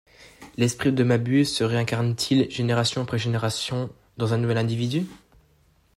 L’esprit de Mabuse se réincarne-t-il génération après génération dans un nouvel individu ?